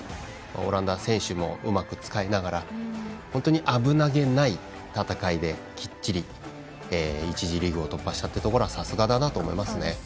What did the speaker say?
オランダは選手もうまく使いながら本当に危なげない戦いできっちり１次リーグを突破したというところはさすがだなと思います。